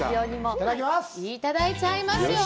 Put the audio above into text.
いただいちゃいますよ。